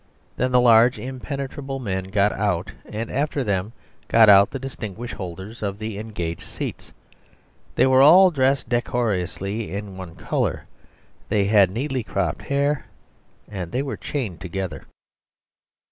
Then the large, impenetrable men got out, and after them got out the distinguished holders of the engaged seats. They were all dressed decorously in one colour; they had neatly cropped hair; and they were chained together.